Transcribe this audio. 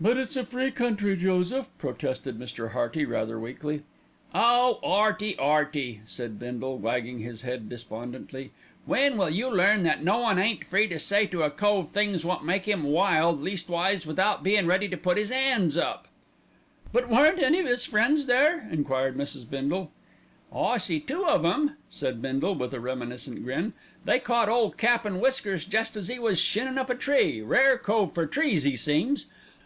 "But it's a free country, Joseph," protested Mr. Hearty rather weakly. "Oh! 'Earty, 'Earty!" said Bindle, wagging his head despondently. "When will you learn that no one ain't free to say to a cove things wot make 'im wild, leastwise without bein' ready to put 'is 'ands up." "But weren't any of his friends there?" enquired Mrs. Bindle. "I see two of 'em," said Bindle with a reminiscent grin. "They caught Ole Cap an' Whiskers jest as 'e was shinnin' up a tree rare cove for trees 'e seems.